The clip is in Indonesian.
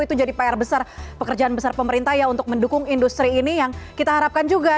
itu jadi pr besar pekerjaan besar pemerintah ya untuk mendukung industri ini yang kita harapkan juga